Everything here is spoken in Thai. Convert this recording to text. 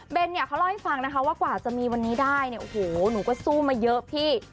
เป็นเนี่ยเขาเล่าให้ฟังนะคะว่ากว่าจะมีวันนี้ได้เนี่ยโอ้โหหนูก็สู้มาเยอะพี่